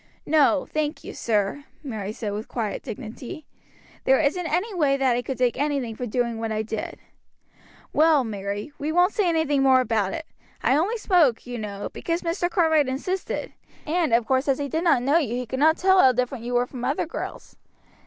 "No, thank you, sir," Mary said with quiet dignity; "there isn't any way that I could take anything for doing what I did." "Well, Mary, we won't say anything more about it. I only spoke, you know, because Mr. Cartwright insisted, and, of course, as he did not know you he could not tell how different you were from other girls.